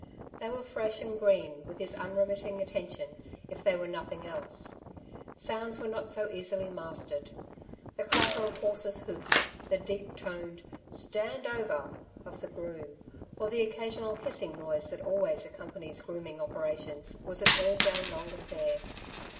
They were fresh and green, with his un remitting attention, if they were nothing else. Sounds were not so easily mastered. The clatter of horses^ hoofs, the deep toned '^ Stand over '' of the groom, or the occasional hissing noise that always accompanies grooming operations, was an all day long afiair.